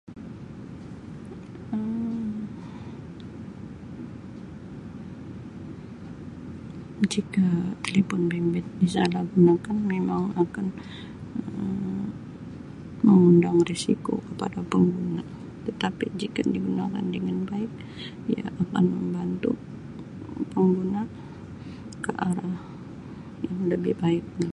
Um Jika telefon bimbit disalahgunakan memang akan Um mengundang risiko kepada pengguna tetapi jika digunakan dengan baik ia akan membantu pengguna ke arah yang lebih baik lah.